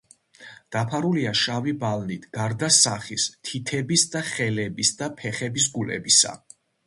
დაფარულია შავი ბალნით, გარდა სახის, თითების და ხელისა და ფეხის გულებისა.